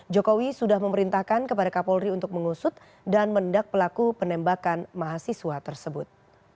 jokowi sudah memerintahkan kepada kapolri untuk mengusut dan mendak pelaku penembakan mahasiswa tersebut